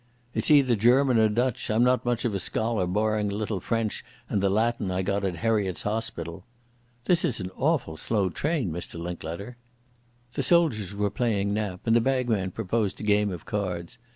"It's either German or Dutch. I'm not much of a scholar, barring a little French and the Latin I got at Heriot's Hospital.... This is an awful slow train, Mr Linklater." The soldiers were playing nap, and the bagman proposed a game of cards.